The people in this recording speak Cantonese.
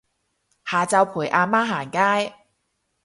下晝陪阿媽行街